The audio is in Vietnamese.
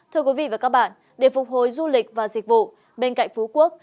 thưa quý vị và các bạn để phục hồi du lịch và dịch vụ bên cạnh phú quốc